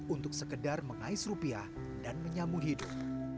untuk sekedar mengais rupiah dan menyambung hidup